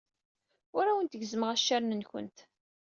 Ur awent-gezzmeɣ accaren-nwent.